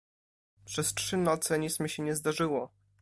"Przez trzy noce nic mi się nie zdarzyło."